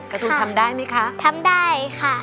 กระทู้ทำได้ไหมคะทำได้ค่ะ